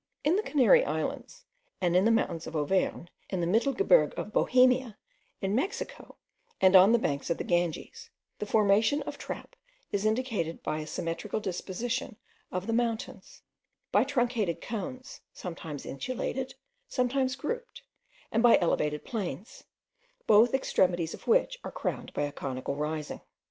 In the Canary Islands, and in the mountains of Auvergne, in the Mittelgebirge in Bohemia, in Mexico, and on the banks of the Ganges, the formation of trap is indicated by a symmetrical disposition of the mountains, by truncated cones, sometimes insulated, sometimes grouped, and by elevated plains, both extremities of which are crowned by a conical rising.